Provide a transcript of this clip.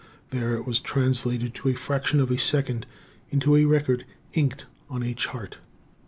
There it was translated to a fraction of a second into a record inked on a chart.